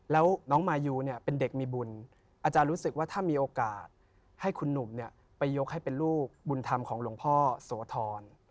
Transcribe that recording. แล้วน้องมายูเนี่ยเป็นเด็กมีบุญอาจารย์รู้สึกว่าถ้ามีโอกาสให้คุณหนุ่มไปยกให้เป็นลูกบุญธรรมของหลวงพ่อโสธร